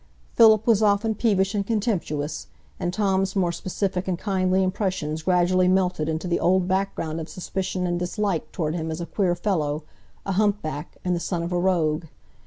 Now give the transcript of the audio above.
Philip was often peevish and contemptuous; and Tom's more specific and kindly impressions gradually melted into the old background of suspicion and dislike toward him as a queer fellow, a humpback, and the son of a rogue.